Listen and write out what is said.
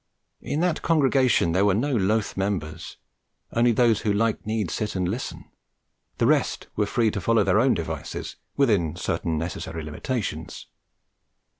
In that congregation there were no loath members; only those who liked need sit and listen; the rest were free to follow their own devices, within certain necessary limitations.